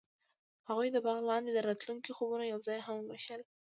هغوی د باغ لاندې د راتلونکي خوبونه یوځای هم وویشل.